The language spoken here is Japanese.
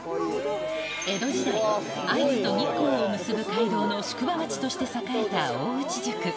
江戸時代、会津と日光を結ぶ街道の宿場町として栄えた大内宿。